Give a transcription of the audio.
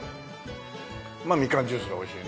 まあみかんジュースが美味しいよね。